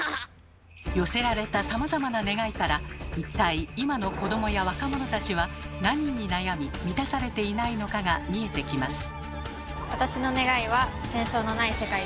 寄せられたさまざまな願いから一体、今の子どもや若者たちは何に悩み満たされていないのかが見えてきます。